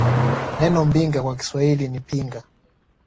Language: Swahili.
Neno Mbinga kwa Kiswahili ni Pinga